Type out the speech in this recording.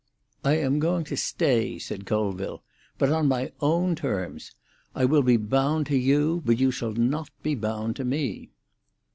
"I am going to stay," said Colville. "But on my own terms. I will be bound to you, but you shall not be bound to me."